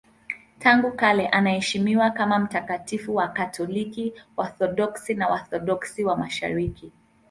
Tangu kale anaheshimiwa kama mtakatifu na Wakatoliki, Waorthodoksi na Waorthodoksi wa Mashariki.